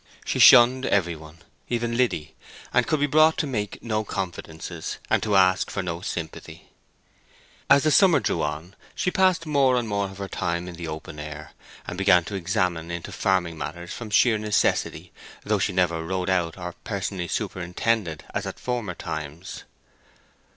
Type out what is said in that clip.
She shunned every one, even Liddy, and could be brought to make no confidences, and to ask for no sympathy. As the summer drew on she passed more of her time in the open air, and began to examine into farming matters from sheer necessity, though she never rode out or personally superintended as at former times.